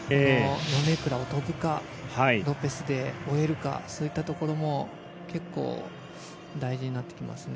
ヨネクラを飛ぶかロペスで終えるかそういったところも結構大事になってきますね。